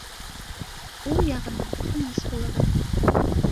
Ул яғына тыныс булығыҙ